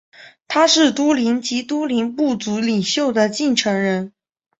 他是都灵及都灵部族领袖的继承人。